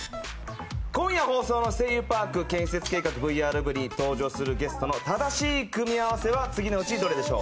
今夜放送の「声優パーク建設計画ＶＲ部」に登場するゲストの正しい組み合わせは次のうちどれでしょう。